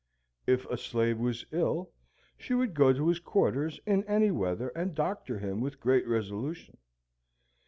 If a slave was ill, she would go to his quarters in any weather, and doctor him with great resolution.